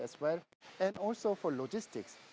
dan juga di bagian logistik